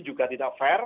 juga tidak fair